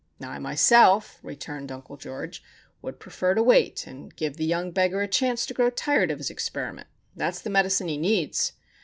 "I, myself," returned Uncle George, "would prefer to wait and give the young beggar a chance to grow tired of his experiment. That's the medicine he needs.